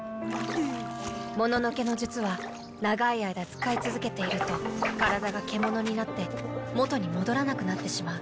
もののけの術は長い間使い続けていると体が獣になって元に戻らなくなってしまう。